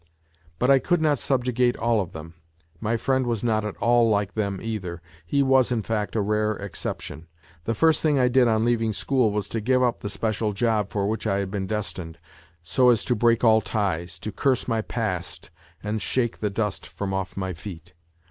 But I could not subjugate all of them ; my friend was not at all like them either, he was, in fact, a rare exception. The first tiling I did on leaving school was to give up the special job for which I had been destined so as to break all ties, to curse my past and shake the dust from off my feet.